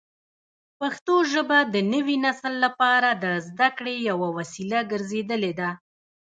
پښتو ژبه د نوي نسل لپاره د زده کړې یوه وسیله ګرځېدلې ده.